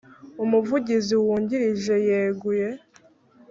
Umuvugizi wungirije yeguye